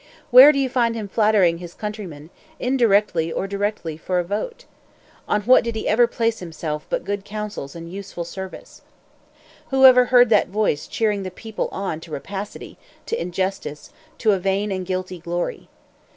"Where do you find him flattering his countrymen, indirectly or directly, for a vote? On what did he ever place himself but good counsels and useful service? "Who ever heard that voice cheering the people on to rapacity, to injustice, to a vain and guilty glory?